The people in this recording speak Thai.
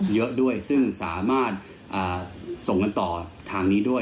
เยอะด้วยซึ่งสามารถส่งกันต่อทางนี้ด้วย